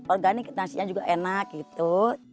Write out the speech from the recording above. organik nasinya juga enak gitu